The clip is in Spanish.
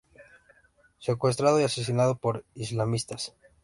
Secuestrado y asesinado por islamistas.